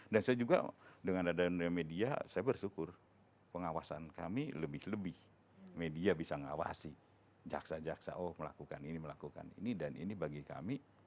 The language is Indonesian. dan saya juga dengan adanya media saya bersyukur pengawasan kami lebih lebih media bisa ngawasi jaksa jaksa oh melakukan ini melakukan ini dan ini bagi kami